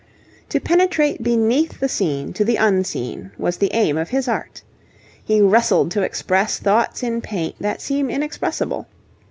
To penetrate beneath the seen to the unseen was the aim of his art. He wrestled to express thoughts in paint that seem inexpressible.